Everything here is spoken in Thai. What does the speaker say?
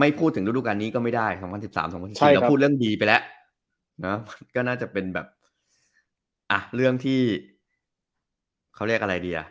ไม่พูดถึงฤดูการนี้ก็ไม่ได้๒๐๑๓๒๐๑๔เราพูดเรื่องดีไปแล้วก็น่าจะเป็นแบบเรื่องที่เขาเรียกอะไรดีอ่ะ